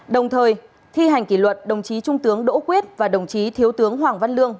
đồng thời thi hành kỷ luật đồng chí trung tướng đỗ quyết và đồng chí thiếu tướng hoàng văn lương